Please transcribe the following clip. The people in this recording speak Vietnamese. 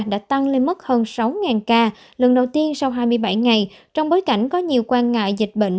đã tăng lên mức hơn sáu ca lần đầu tiên sau hai mươi bảy ngày trong bối cảnh có nhiều quan ngại dịch bệnh